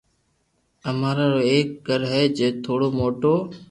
امرا رو ايڪ گِر ھي جي ٿورو موٿو